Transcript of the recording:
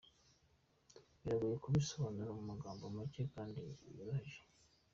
Biragoye kubisobanura mu magambo make kandi yoroheje.